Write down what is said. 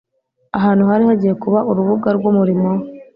ahantu hari hagiye kuba urubuga rw’umurimo we